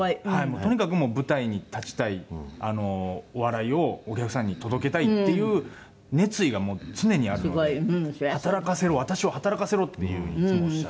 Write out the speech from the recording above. とにかくもう舞台に立ちたいお笑いをお客さんに届けたいっていう熱意が常にあるので「働かせろ私を働かせろ」っていつもおっしゃる。